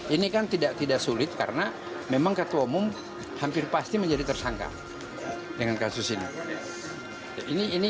ini kan tidak sulit karena memang ketua umum hampir pasti menjadi tersangka dengan kasus ini